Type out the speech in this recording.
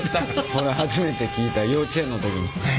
これ初めて聴いた幼稚園の時に。